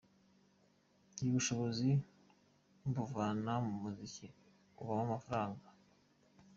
Y: Ubushobozi mbuvana mu muziki, ubamo amafaranga.